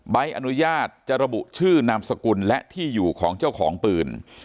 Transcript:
ใบอนุญาตจะระบุชื่อนามสกุลและที่อยู่ของเจ้าของปืน